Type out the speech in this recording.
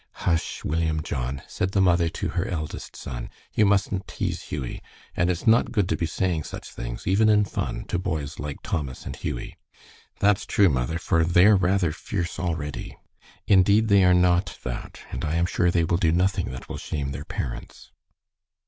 "Hush, William John," said the mother to her eldest son, "you mustn't tease Hughie. And it's not good to be saying such things, even in fun, to boys like Thomas and Hughie." "That's true, mother, for they're rather fierce already." "Indeed, they are not that. And I am sure they will do nothing that will shame their parents."